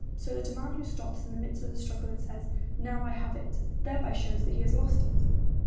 So that a man who stops in the midst of the struggle and says, "Now I have it," thereby shows that he has lost it.'